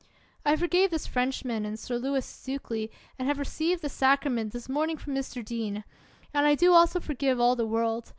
I forgave this Frenchman and Sir Lewis Stukely, and have received the sacrament this morning from Mr. Dean ; and I do also forgive all the world.